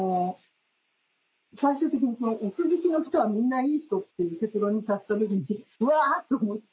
最終的にお酢好きの人はみんないい人っていう結論に達した時にうわ！と思って。